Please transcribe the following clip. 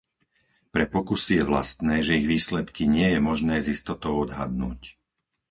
Pre pokusy je vlastné, že ich výsledky nie je možné s istotou odhadnúť.